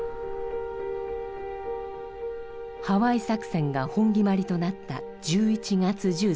ハワイ作戦が本決まりとなった１１月１３日。